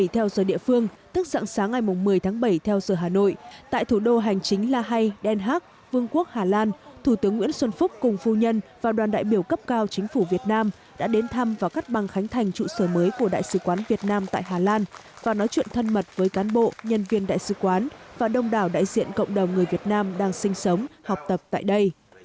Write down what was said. theo giờ địa phương tức sáng sáng ngày một mươi tháng bảy theo giờ hà nội tại thủ đô hành chính la hay đen hắc vương quốc hà lan thủ tướng nguyễn xuân phúc cùng phu nhân và đoàn đại biểu cấp cao chính phủ việt nam đã đến thăm và cắt băng khánh thành trụ sở mới của đại sứ quán việt nam tại hà lan và nói chuyện thân mật với cán bộ nhân viên đại sứ quán và đông đảo đại diện cộng đồng người việt nam đang sinh sống học tập tại đây